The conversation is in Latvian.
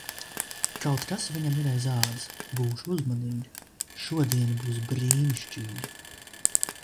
Kaut kas viņam ir aiz ādas. Būšu uzmanīga. Šodiena būs brīnišķīga!